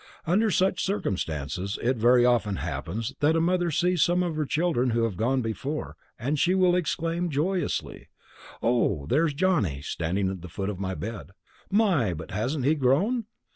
Under such circumstances it very often happens that a mother sees some of her children who have gone before, and she will exclaim joyously: Oh, there is Johnny standing at the foot of my bed; my but hasn't he grown!